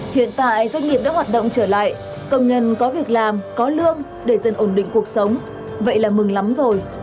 hiện tại doanh nghiệp đã hoạt động trở lại công nhân có việc làm có lương để dân ổn định cuộc sống vậy là mừng lắm rồi